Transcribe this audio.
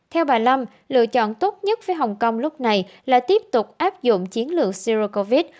theo bà lâm lựa chọn tốt nhất với hong kong lúc này là tiếp tục áp dụng chiến lược zero covid